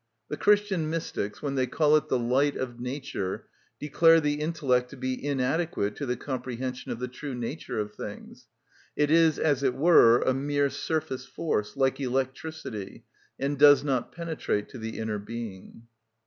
The Christian mystics, when they call it the light of nature, declare the intellect to be inadequate to the comprehension of the true nature of things. It is, as it were, a mere surface force, like electricity, and does not penetrate to the inner being.